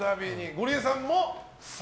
ゴリエさんも３。